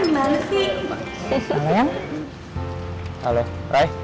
makan makan makan sekarang